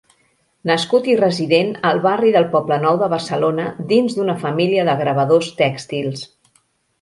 Nascut i resident al barri del Poblenou de Barcelona dins d'una família de gravadors tèxtils.